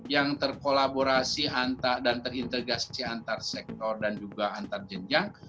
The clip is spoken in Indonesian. yang terkolaborasi dan terintegrasi antar sektor dan juga antar jenjang